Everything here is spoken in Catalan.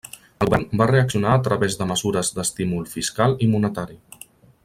El govern va reaccionar a través de mesures d'estímul fiscal i monetari.